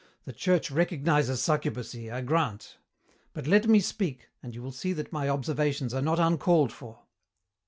"The Church recognizes succubacy, I grant. But let me speak, and you will see that my observations are not uncalled for.